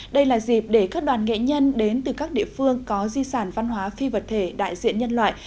đây là dịp để các đoàn nghệ nhân đến từ các địa phương có di sản văn hóa phi vật thể đại diện nhân loại